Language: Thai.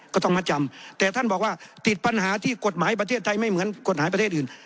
ก็ต้องมาจำแต่ท่านบอกว่าติดปัญหาที่กฎหมายประเทศไทยไม่เหมือนกฎหมายประเทศอื่น